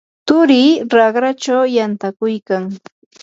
tsurii raqrachaw yantakuykan.